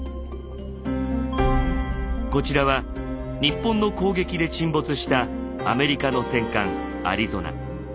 こちらは日本の攻撃で沈没したアメリカの戦艦アリゾナ。